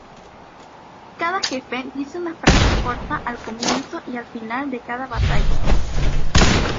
Cada jefe dice una frase corta al comienzo y al final de cada batalla.